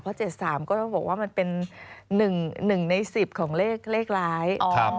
เพราะ๗๓ก็ต้องบอกว่ามันเป็น๑ใน๑๐ของเลขร้าย